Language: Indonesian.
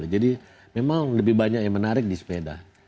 jadi memang lebih banyak yang menarik di sepeda